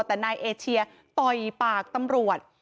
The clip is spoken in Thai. แต่นายเอเชียต่อยปากตำรวจ